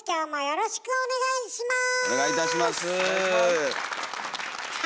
よろしくお願いします！